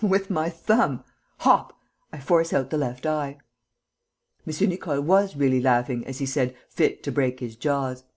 with my thumb hop, I force out the left eye!" M. Nicole was really laughing, as he said, fit to break his jaws.